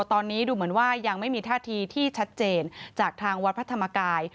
ตอนนี้ดูเหมือนว่ายังไม่มีท่าทีที่ชัดเจนจากทางวัดพระธรรมกาย